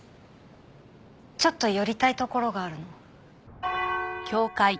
ちょっと寄りたい所があるの。